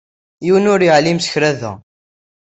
Yiwen ur yeɛlim s kra da.